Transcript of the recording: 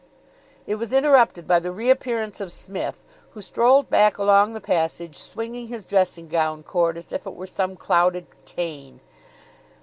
It was interrupted by the reappearance of Psmith, who strolled back along the passage swinging his dressing gown cord as if it were some clouded cane.